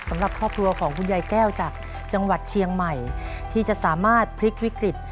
สำหรับครอบครัวของคุณยายแก้วจากจังหวัดเชียงใหม่ที่จะสามารถพลิกวิกฤต